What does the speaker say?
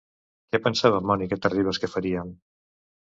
Què pensava Mònica Terribas que farien?